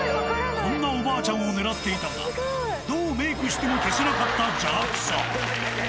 こんなおばあちゃんをねらっていたが、どうメークしても消せなかった邪悪さ。